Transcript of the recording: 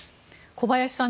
小林さん